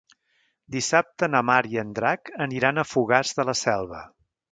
Dissabte na Mar i en Drac aniran a Fogars de la Selva.